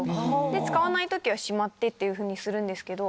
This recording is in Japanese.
で、使わないときはしまってっていうふうにするんですけど。